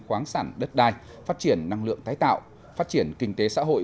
khoáng sản đất đai phát triển năng lượng tái tạo phát triển kinh tế xã hội